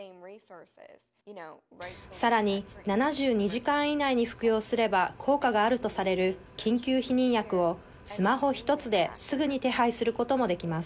さらに７２時間以内に服用すれば効果があるとされる緊急避妊薬をスマホ１つですぐに手配することもできます。